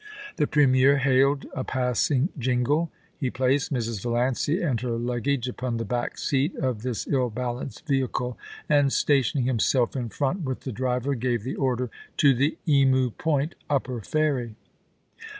The Premier hailed a passing jingle. He placed Mrs. Valiancy and her luggage upon the back seat of this ill balanced vehicle, and stationing himself in front with the driver, gave the order, * To the Emu Point, Upper Ferry.'